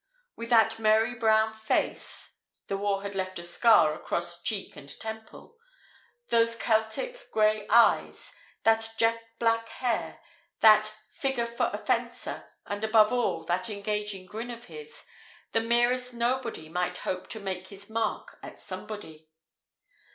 With that merry brown face (the war had left a scar across cheek and temple), those Celtic grey eyes, that jet black hair, that "figure for a fencer," and above all that engaging grin of his, the merest Nobody might hope to make his mark as Somebody.